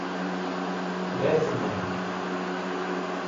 Wezimẽb.